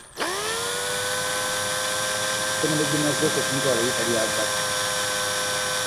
Essomero gye nasooka okumutwala yali talyagala.